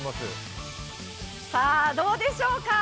さぁ、どうでしょうか。